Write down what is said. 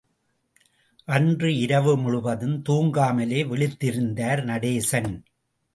அன்று இரவு முழுதும் துங்காமலே விழித்திருந்தார் நடேசன்.